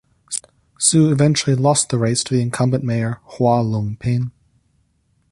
Su eventually lost the race to the incumbent mayor Hau Lung-pin.